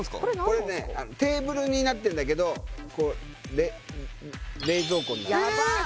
これねテーブルになってるんだけど冷冷蔵庫になってるえーっ！